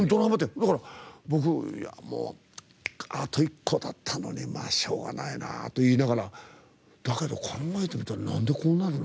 だから僕「あと一個だったのにまあ、しょうがないな」って言いながらだけど、考えてみたらなんでこうなるの？